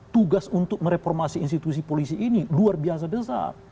tugas untuk mereformasi institusi polisi ini luar biasa besar